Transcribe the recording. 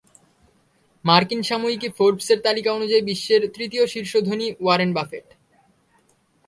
মার্কিন সাময়িকী ফোর্বস-এর তালিকা অনুযায়ী, বর্তমানে বিশ্বের তৃতীয় শীর্ষ ধনী ওয়ারেন বাফেট।